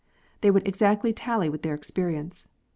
They would exactly tally with their experience.